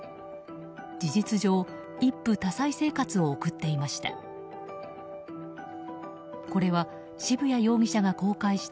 事実上一夫多妻生活を送っていました。